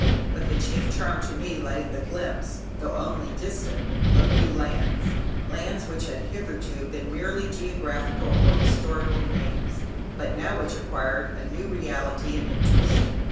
But the chief charm to me lay in the glimpse, though only distant, of new lands, lands which had hitherto been merely geographical or historical names, but which now acquired a new reality and interest.